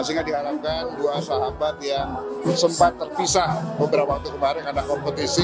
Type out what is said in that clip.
sehingga diharapkan dua sahabat yang sempat terpisah beberapa waktu kemarin ada kompetisi